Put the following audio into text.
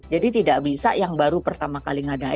jadi tidak bisa yang baru pertama kali ngaduk